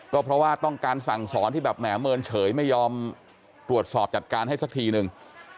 ก็เพราะว่าต้องการสั่งสอนที่แบบแหมเมินเฉยไม่ยอมตรวจสอบจัดการให้สักทีนึง